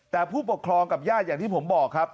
แต่ผู้ปกครองกับญาติอย่างที่ผมบอกครับ